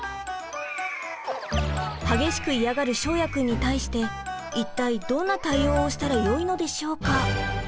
激しく嫌がる翔也くんに対して一体どんな対応をしたらよいのでしょうか？